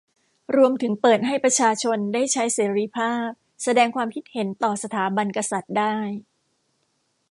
รวมถึงเปิดให้ประชาชน ได้ใช้เสรีภาพแสดงความคิดเห็นต่อสถาบันกษัตริย์ได้